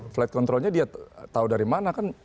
flight controlnya dia tahu dari mana kan